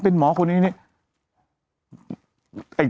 เป็นหมอคนนี้นี่